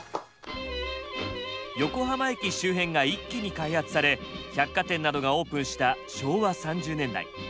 横浜駅周辺が一気に開発され百貨店などがオープンした昭和３０年代。